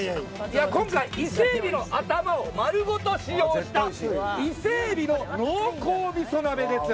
今回、伊勢海老の頭を丸ごと使用した伊勢海老の濃厚みそ鍋です！